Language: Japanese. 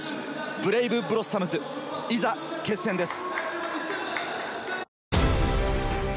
ブレイブ・ブロッサムズ、いざ決戦です。